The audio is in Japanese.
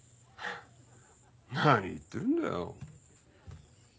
何言ってるんだよ。